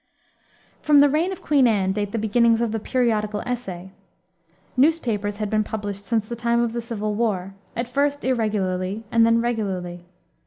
From the reign of Queen Anne date the beginnings of the periodical essay. Newspapers had been published since the time of the Civil War; at first irregularly, and then regularly.